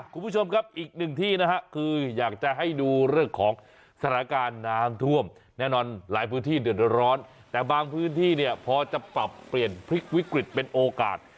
คุณผู้ชมครับอีกหนึ่งที่นะฮะคืออยากจะให้ดูเรื่องของสถานการณ์น้ำท่วมแน่นอนหลายพื้นที่เดือดร้อนแต่บางพื้นที่เนี่ยพอจะปรับเปลี่ยนพลิกวิกฤตเป็นโอกาส